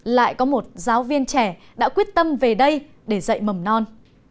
lại có một giáo viên trẻ đã quyết tâm về đây để dạy mầm non